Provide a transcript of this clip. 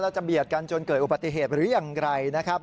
เกิดความเปรียบกันจนเกิดอุปัติเหตุหรือยังไงครับ